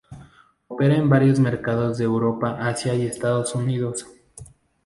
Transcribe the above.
Opera en varios mercados de Europa, Asia y Estados Unidos.